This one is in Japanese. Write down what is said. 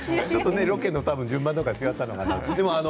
ロケの順番とか違ったのかな。